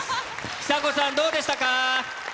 久子さん、どうでしたか？